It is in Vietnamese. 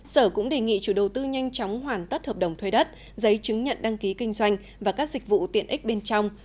sở cũng đề nghị chủ đầu tư nhanh chóng hoàn tất hợp đồng thuê đất giấy chứng nhận đăng ký kinh doanh và các dịch vụ tiện ích bên trong